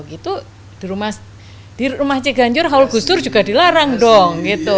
itu di rumah cek ganjur haul gustur juga dilarang dong